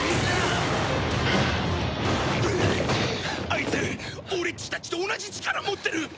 あいつ俺っちたちと同じ力持ってる！